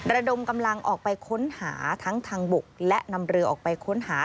ระดมกำลังออกไปค้นหาทั้งทางบกและนำเรือออกไปค้นหา